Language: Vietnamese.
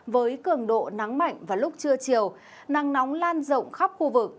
với cường độ nắng mạnh vào lúc trưa chiều nắng nóng lan rộng khắp khu vực